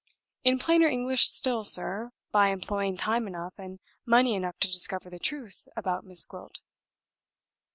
In plainer English still, sir, by employing time enough and money enough to discover the truth about Miss Gwilt."